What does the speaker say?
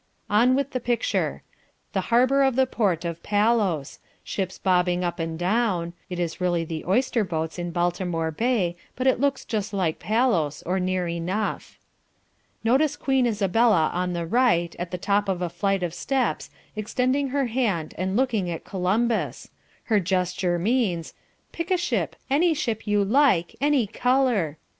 On with the picture. The harbour of the port of Palos ships bobbing up and down (it is really the oyster boats in Baltimore Bay but it looks just like Palos, or near enough). Notice Queen Isabella on the right, at the top of a flight of steps, extending her hand and looking at Columbus. Her gesture means, "Pick a ship, any ship you like, any colour."